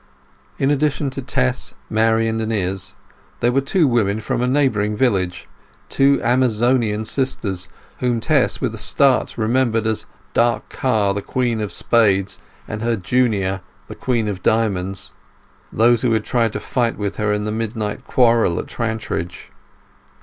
In addition to Tess, Marian, and Izz, there were two women from a neighbouring village; two Amazonian sisters, whom Tess with a start remembered as Dark Car, the Queen of Spades, and her junior, the Queen of Diamonds—those who had tried to fight with her in the midnight quarrel at Trantridge.